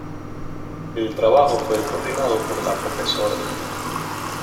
El trabajo fue coordinado por la Prof.